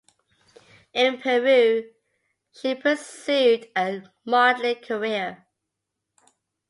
In Peru, she pursued a modeling career.